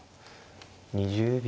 ２０秒。